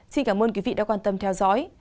xin cảm ơn quý vị đã quan tâm theo dõi